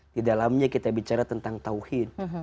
di dalamnya kita bicara tentang tawhid